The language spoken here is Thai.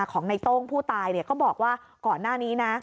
ของในโต้งผู้ตายก็บอกว่าก่อนหน้านี้นะ